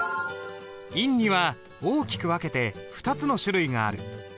印には大きく分けて２つの種類がある。